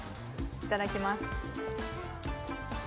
いただきます。